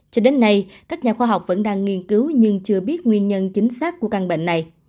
cho đến nay các nhà khoa học vẫn đang nghiên cứu nhưng chưa biết nguyên nhân chính xác của căn bệnh này